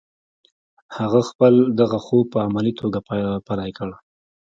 هغه خپل دغه خوب په عملي توګه پلی کړ